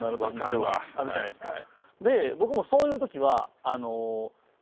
で僕もそういう時は。